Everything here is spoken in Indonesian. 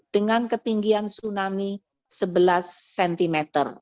dengan ketinggian tsunami sebelas cm